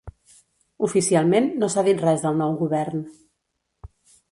Oficialment, no s'ha dit res del nou govern.